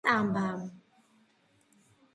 შენობაში ასევე მუშაობდა ტერ-აბრამიანის სტამბა.